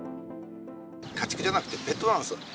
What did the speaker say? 家畜じゃなくてペットなんですよ。